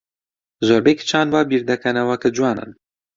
زۆربەی کچان وا بیردەکەنەوە کە جوانن.